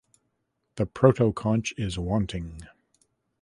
The protoconch is wanting.